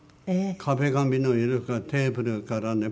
壁紙の色からテーブルからね